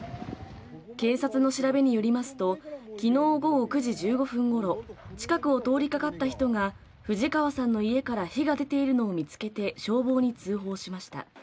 警察の調べによりますと昨日午後９時１５分頃、近くを通りかかった人が、藤川さんの家から火が出ているのを見つけて消防に通報しました。